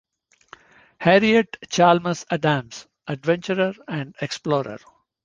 "Harriet Chalmers Adams: Adventurer and Explorer".